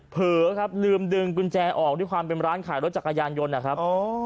เผลอครับลืมดึงกุญแจออกด้วยความเป็นร้านขายรถจักรยานยนต์นะครับ